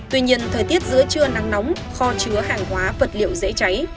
tuy nhiên thời tiết giữa trưa nắng nóng kho chứa hàng hóa vật liệu dễ cháy